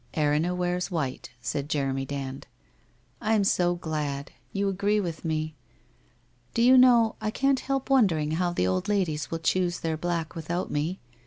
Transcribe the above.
* Erinna wears white,' said Jeremy Dand. I I am so glad. You agree with me. ... Do you know I can't help wondering how the old ladies will choose their black without me?